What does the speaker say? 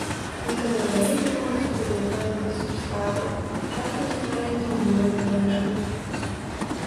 Некаторыя віды могуць прыліпаць да субстрату, часам з утварэннем бурай падэшвы.